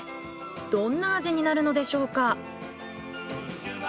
どんな味になるのでしょうか。